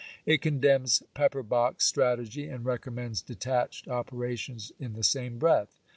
It condemns " pepper box strategy" and recommends detached operations in the same breath.